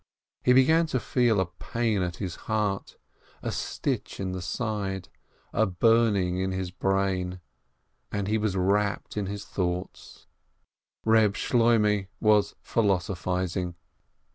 He began to feel a pain at his heart, a stitch in the side, a burning in his brain, and he was wrapt in his thoughts. Eeb Shloimeh was philosophizing.